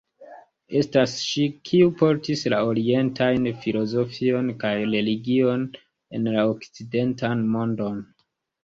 Estas ŝi, kiu portis la orientajn filozofion kaj religion en la okcidentan mondon.